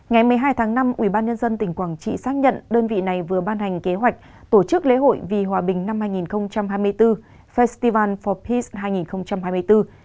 ngày một mươi hai tháng năm ubnd tỉnh quảng trị xác nhận đơn vị này vừa ban hành kế hoạch tổ chức lễ hội vì hòa bình năm hai nghìn hai mươi bốn festival forbes hai nghìn hai mươi bốn